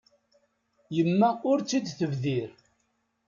Yemma ur tt-id-tebdir.